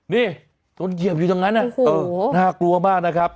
นี่จนเหยียบอยู่ตรงนั้นน่ากลัวมากนะครับ